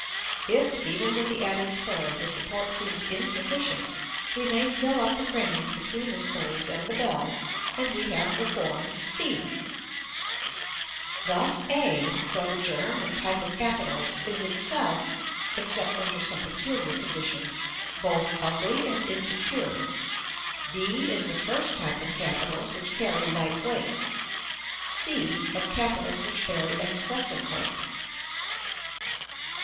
If, even with the added spur, the support seems insufficient, we may fill up the crannies between the spurs and the bell, and we have the form c. Thus a, though the germ and type of capitals, is itself (except under some peculiar conditions) both ugly and insecure; b is the first type of capitals which carry light weight; c, of capitals which carry excessive weight.